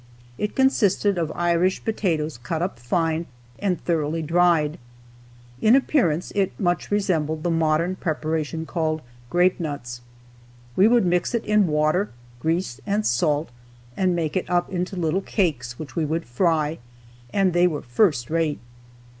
It consisted of Irish potatoes cut up fine and thoroughly dried. In appearance it much resembled the modern preparation called "grape nuts." We would mix it in water, grease, and salt, and make it up into little cakes, which we would fry, and they were first rate.